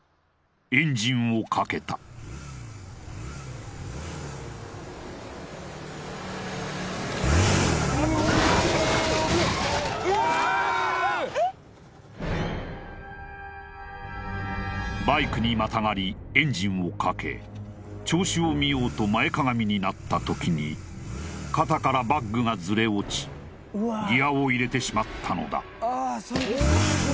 エンジンをかけたバイクにまたがりエンジンをかけ調子を見ようと前かがみになった時に肩からバッグがずれ落ちギアを入れてしまったのだ